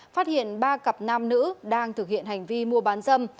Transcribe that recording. phát hiện ba cặp nam nữ đang thực hiện hành vi mua bán dâm